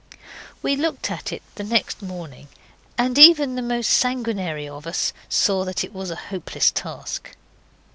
We looked at it the next morning, and even the most sanguinary of us saw that it was a hopeless task.